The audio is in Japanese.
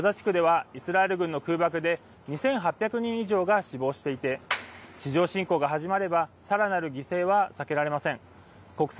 すでにガザ地区ではイスラエル軍の空爆で２８００人以上が死亡していて地上侵攻が始まればさらなる犠牲は避けられません。